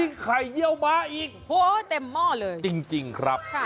ดิ้งไข่เยี่ยวม้าอีกโอ้โหเต็มหม้อเลยจริงจริงครับค่ะ